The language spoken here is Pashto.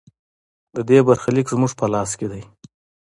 د دې برخلیک زموږ په لاس کې دی